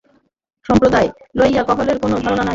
সম্প্রদায় লইয়া কলহের কোন কারণ নাই।